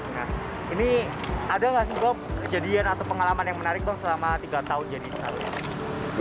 nah ini ada nggak sih bang kejadian atau pengalaman yang menarik bang selama tiga tahun jadi